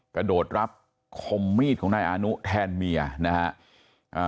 กระโดดรับคมมีดของนายอานุแทนเมียนะฮะอ่า